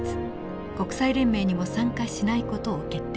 国際連盟にも参加しない事を決定します。